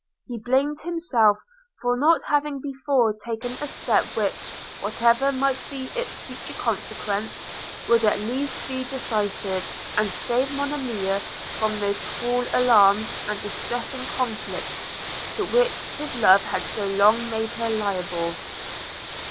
He blamed himself for not having before taken a step which, whatever might be its future consequence, would at least be decisive, and save Monimia from those cruel alarms and distressing conflicts to which his love had so long made her liable.